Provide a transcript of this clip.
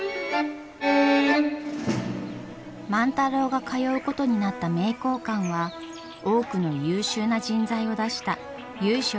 万太郎が通うことになった名教館は多くの優秀な人材を出した由緒ある学問所です。